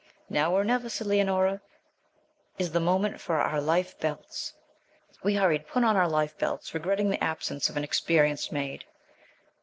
'Now or never,' said Leonora, 'is the moment for our life belts.' We hurriedly put on our life belts, regretting the absence of an experienced maid.